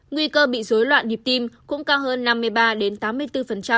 nguy cơ bị dối loạn điệp tim cũng cao hơn năm mươi ba tám mươi bốn